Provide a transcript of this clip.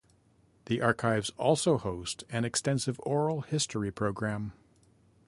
The archives also host an extensive Oral History program.